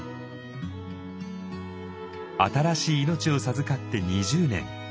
新しい命を授かって２０年。